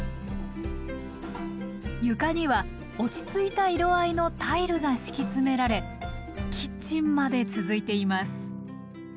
床には落ち着いた色合いのタイルが敷き詰められキッチンまで続いています